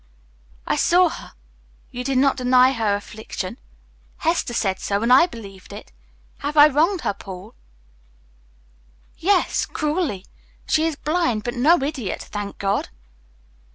"I saw her, you did not deny her affliction; Hester said so, and I believed it. Have I wronged her, Paul?" "Yes, cruelly. She is blind, but no idiot, thank God."